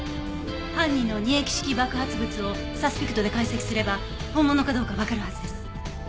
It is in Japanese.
犯人の二液式爆発物をサスピクトで解析すれば本物かどうかわかるはずです。